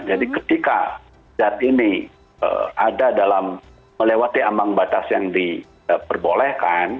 jadi ketika zat ini ada dalam melewati ambang batas yang diperbolehkan